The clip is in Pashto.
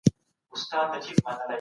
تعليم د هر چا لپاره ضروري دی.